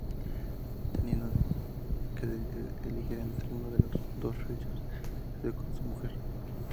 Teniendo que elegir entre una de las dos, Richard se quedó con su mujer.